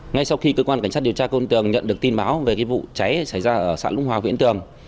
ngay sau khi cơ quan cảnh sát điều tra công an tường nhận được tin báo về vụ cháy xảy ra ở xã lũng hòa huyện yên tường